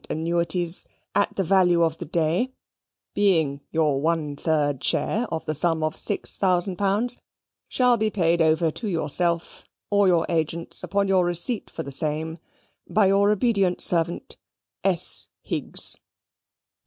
annuities, at the value of the day (being your one third share of the sum of 6,000 pounds), shall be paid over to yourself or your agents upon your receipt for the same, by "Your obedient Servt., "S. HIGGS.